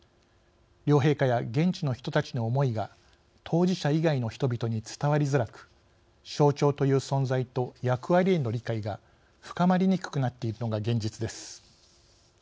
両陛下や現地の人たちの思いが当事者以外の人々に伝わりづらく象徴という存在と役割への理解が深まりにくくなっているのが現実です。